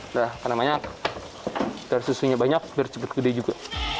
udah apa namanya biar susunya banyak biar cepat gede juga